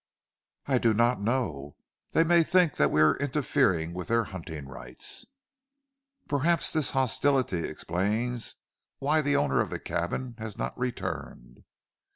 "I do not know. They may think that we are interfering with their hunting rights." "Perhaps this hostility explains why the owner of the cabin has not returned."